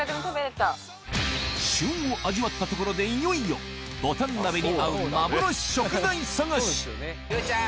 旬を味わったところでいよいよぼたん鍋に合う幻食材探しゆうちゃん。